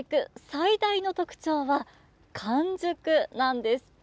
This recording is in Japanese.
最大の特徴は完熟なんです。